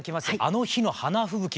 「あの日の花吹雪」